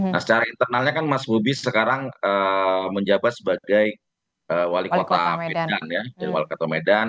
nah secara internalnya kan mas bubi sekarang menjabat sebagai wali kota medan